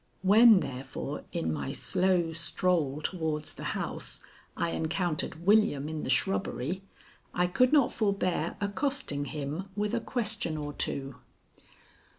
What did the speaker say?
When, therefore, in my slow stroll towards the house I encountered William in the shrubbery, I could not forbear accosting him with a question or two.